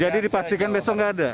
jadi dipastikan besok enggak ada